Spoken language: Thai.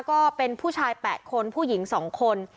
ก็เป็นผู้ชาย๘คนผู้หญิง๒คน